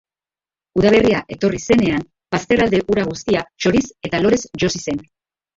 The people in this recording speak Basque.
Udaberria etorri zenean, bazterralde hura guztia txoriz eta lorez josi zen.